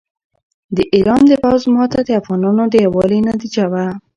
د ایران د پوځ ماته د افغانانو د یووالي نتیجه وه.